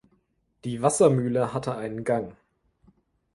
Die Wassermühle hatte einen Gang.